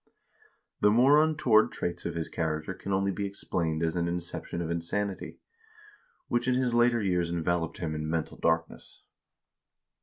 The more untoward traits of his char acter can only be explained as an inception of insanity, which in his later years enveloped him in mental darkness.